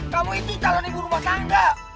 kamu itu calon ibu rumah tangga